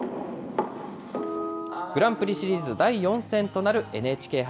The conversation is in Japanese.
グランプリシリーズ第４戦となるＮＨＫ杯。